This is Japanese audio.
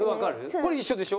これ一緒でしょ？